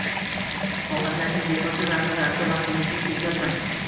Hoxlasangiz bekorchi narsalarga vaqtingizni ketkazmang!